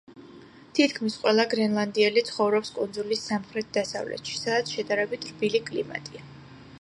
თითქმის ყველა გრენლანდიელი ცხოვრობს კუნძულის სამხრეთ-დასავლეთში, სადაც შედარებით რბილი კლიმატია.